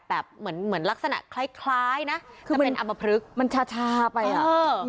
แบบเหมือนเหมือนลักษณะคล้ายนะมันชาไปอ่ะ